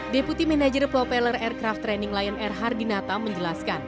deputi manager propeller aircraft training lion air hardinata menjelaskan